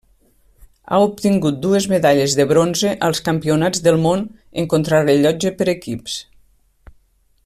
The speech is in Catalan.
Ha obtingut dues medalles de bronze als Campionats del Món en Contrarellotge per equips.